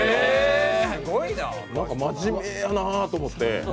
真面目やなと思って。